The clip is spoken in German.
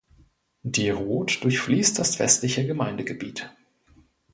Die Roth durchfließt das westliche Gemeindegebiet.